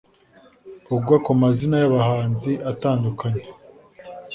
ugwa ku mazina y’abahanzi atandukanye